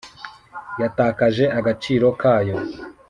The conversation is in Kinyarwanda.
yatakaje agaciro kayo.